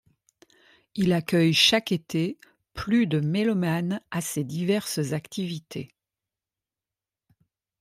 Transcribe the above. Il accueille chaque été plus de mélomanes à ses diverses activités.